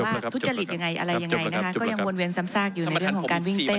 ทุจริตยังไงอะไรยังไงนะคะก็ยังวนเวียนซ้ำซากอยู่ในเรื่องของการวิ่งเต้น